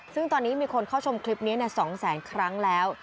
ซึ่งตอนนี้มีคนเข้าชมคลิปนี้๒แสนครั้งแล้ว